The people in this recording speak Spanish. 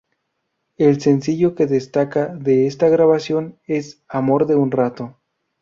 El sencillo que destaca de esta grabación es:"Amor de un rato".